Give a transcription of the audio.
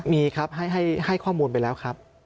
มีครับให้ข้อมูลไปแล้วครับ